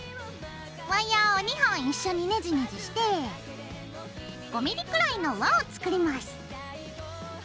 ワイヤーを２本一緒にネジネジして５ｍｍくらいの輪を作ります。